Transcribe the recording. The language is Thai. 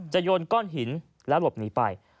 โยนก้อนหินแล้วหลบหนีไป